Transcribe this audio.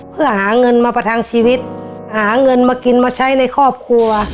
เพื่อหาเงินมาประทังชีวิตหาเงินมากินมาใช้ในครอบครัว